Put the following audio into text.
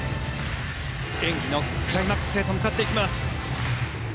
演技のクライマックスへと向かっていきます。